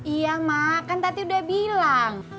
iya ma kan tadi udah bilang